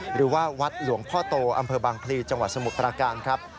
หรือว่าวัดหลวงพ่อโตอำเภอบางภรีจสมุดประการครับ